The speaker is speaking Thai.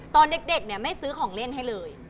พ่อกับแม่หนูตอนเด็กไม่ซื้อของเล่นให้เลย